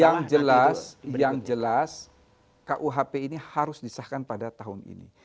yang jelas yang jelas kuhp ini harus disahkan pada tahun ini